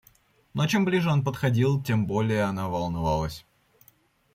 Но чем ближе он подходил, тем более она волновалась.